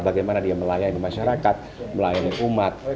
bagaimana dia melayani masyarakat melayani umat